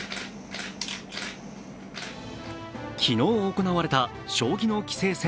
昨日行われた将棋の棋聖戦